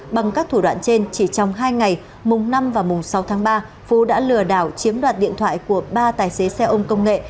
bằng các thủ đoạn trên chỉ trong hai ngày mùng năm và mùng sáu tháng ba phú đã lừa đảo chiếm đoạt điện thoại của ba tài xế xe ôm công nghệ